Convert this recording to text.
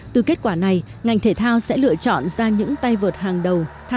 từ kết quả này ngành thể thao sẽ lựa chọn ra những tay vợt hàng đầu